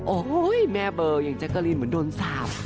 โอ้โหแม่เบอร์อย่างแจ๊กกะลีนเหมือนโดนสาป